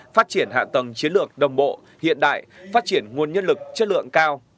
phát triển hạ tầng chiến lược đồng bộ hiện đại phát triển nguồn nhân lực chất lượng cao